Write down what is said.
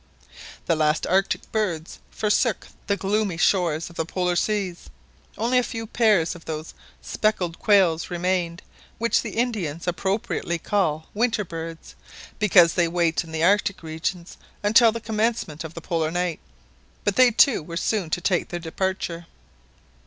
The last Arctic birds forsook the gloomy shores of the Polar Sea, only a few pairs of those speckled quails remained which the Indians appropriately call " winter birds," because they wait in the Arctic regions until the commencement of the Polar night, but they too were soon to take their departure.